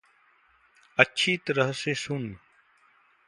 अच्छी तरह से सुन।